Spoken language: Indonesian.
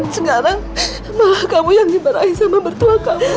sekarang malah kamu yang dibarahi sama bertuah kamu